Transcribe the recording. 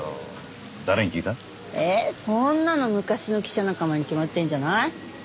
えっそんなの昔の記者仲間に決まってんじゃない。